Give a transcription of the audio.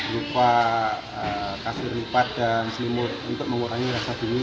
lupa kasur lipat dan selimut untuk mengurangi rasa dingin